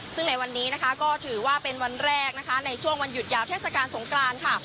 ซึ่งในวันนี้นะคะก็ถือว่าเป็นวันแรกนะคะในช่วงวันหยุดยาวเทศกาลสงกรานค่ะ